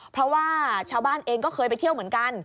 เพราะว่าชาวบ้านเองก็เคยไปเที่ยวเหมือนกัน